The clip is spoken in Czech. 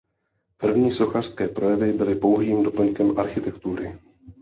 První sochařské projevy byly pouhým doplňkem architektury.